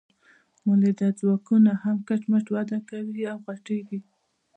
مؤلده ځواکونه هم کټ مټ وده کوي او غټیږي.